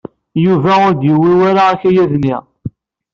Yuba ur d-yewwi ara akayad-nni.